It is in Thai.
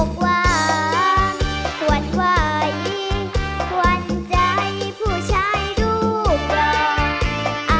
ความหวั่นไหวหวั่นใจผู้ชายดูก่อน